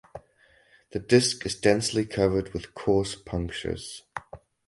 The disk is densely covered with coarse punctures.